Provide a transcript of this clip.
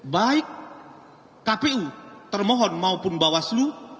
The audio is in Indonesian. baik kpu termohon maupun bawaslu